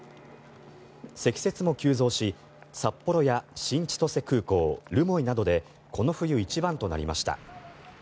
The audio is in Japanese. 積雪も急増し札幌や新千歳空港、留萌などでこの冬一番となりました。